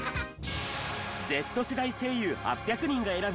Ｚ世代声優８００人が選ぶ！